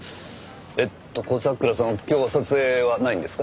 えっと小桜さんは今日は撮影はないんですか？